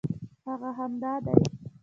هغه همدا دی.